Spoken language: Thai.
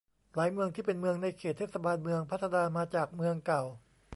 หลายเมืองที่เป็นเมืองในเขตเทศบาลเมืองพัฒนามาจากเมืองเก่า